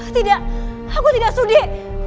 tidak aku tidak sudi